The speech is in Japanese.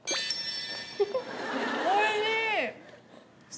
おいしい！